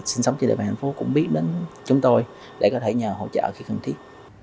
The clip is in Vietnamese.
sinh sống trên địa bàn thành phố cũng biết đến chúng tôi để có thể nhờ hỗ trợ khi cần thiết